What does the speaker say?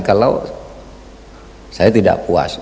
kalau saya tidak puas